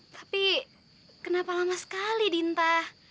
tapi kenapa lama sekali dinta